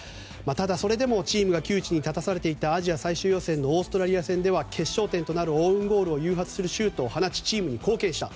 ただ、それでもチームが窮地に立たされていたアジア最終予選のオーストラリア戦では決勝点となるオウンゴールを誘発するシーンもありチームに貢献した。